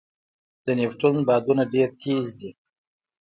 د نیپټون بادونه ډېر تېز دي.